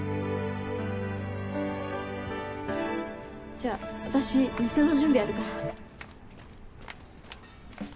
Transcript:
じゃあ私店の準備あるから。